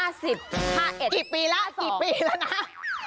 แล้วนี่สองปีแล้วนะ